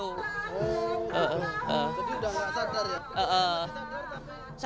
oh jadi sudah tidak sadar ya